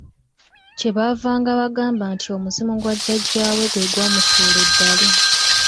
Kye baavanga bagamba nti omuzimu gwa jjajjaawe gwe gwamusuula eddalu.